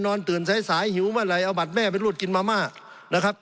ตื่นสายสายหิวเมื่อไหร่เอาบัตรแม่ไปรวดกินมาม่านะครับ